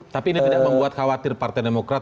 tapi ini tidak membuat khawatir partai demokrat